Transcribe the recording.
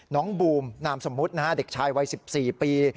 บูมนามสมมุตินะฮะเด็กชายวัย๑๔ปี